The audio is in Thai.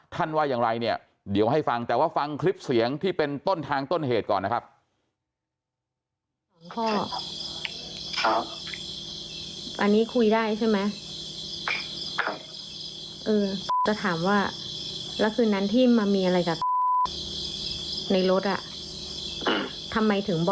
ว่าอย่างไรเนี่ยเดี๋ยวให้ฟังแต่ว่าฟังคลิปเสียงที่เป็นต้นทางต้นเหตุก่อนนะครับ